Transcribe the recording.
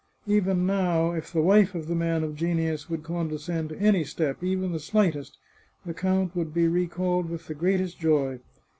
Even now, if the wife of the man of genius would condescend to any step, even the slightest, the count would be recalled with the greatest joy.